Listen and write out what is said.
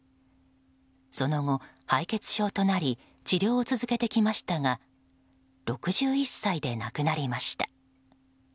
その後、敗血症となり治療を続けてきましたが６１歳で亡くなりました。